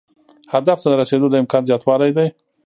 هدف ته د رسیدو د امکان زیاتوالی دی.